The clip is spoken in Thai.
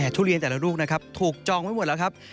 ทุเรียนแต่ละลูกนะครับถูกจองไว้หมดแล้วครับ